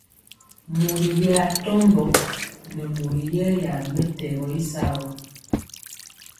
Mori yɛ atombo nɛ mori yɛya ri mɛtɛgɔ y sagɔ.